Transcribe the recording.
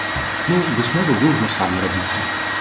Ну, высновы вы ўжо самі рабіце.